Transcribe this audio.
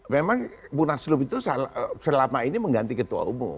memang munaslup itu selama ini mengganti ketua umum